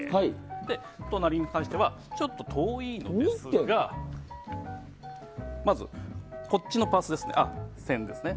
そして、隣に関してはちょっと遠いんですがまず、こっちのパース、線ですね。